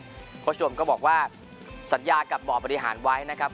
คุณผู้ชมก็บอกว่าสัญญากับบ่อบริหารไว้นะครับ